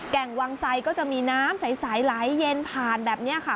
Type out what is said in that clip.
แก่งวังไซก็จะมีน้ำใสไหลเย็นผ่านแบบนี้ค่ะ